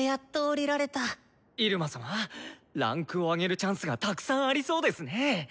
入間様位階を上げるチャンスがたくさんありそうですね！